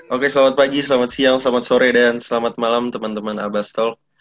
oke selamat pagi selamat siang selamat sore dan selamat malam teman teman abastol